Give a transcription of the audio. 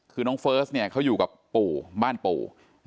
คือน้องเฟิร์สเนี่ยเขาอยู่กับปู่บ้านปู่